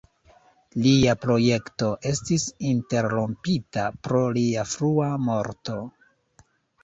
Lia projekto estis interrompita pro lia frua morto.